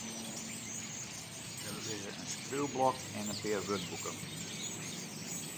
Der lizze in skriuwblok en in pear wurdboeken.